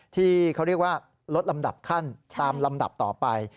ที่เขาเรียกว่าลดลำดับขั้นตามลำดับต่อไป